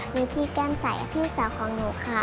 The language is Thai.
มีพี่แก้มใสพี่สาวของหนูค่ะ